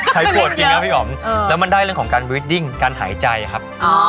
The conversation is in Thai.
ปวดจริงครับพี่อ๋อมแล้วมันได้เรื่องของการวีดดิ้งการหายใจครับ